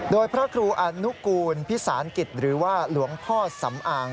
โดยพระครูอนุกูลพิสารกิจหรือว่าหลวงพ่อสำอาง